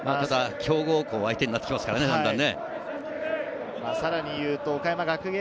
強豪校相手になってきますからね。